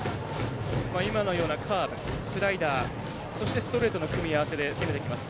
今のようなカーブ、スライダーそしてストレートの組み合わせで攻めてきます。